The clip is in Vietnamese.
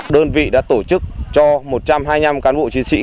đơn vị đã tổ chức cho một trăm hai mươi năm cán bộ chiến sĩ